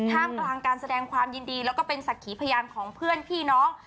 ท่ามกลางการแสดงความยินดีแล้วก็เป็นสักขีพยานของเพื่อนพี่น้อง